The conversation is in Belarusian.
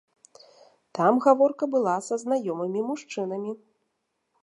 Там гаворка была са знаёмымі мужчынамі.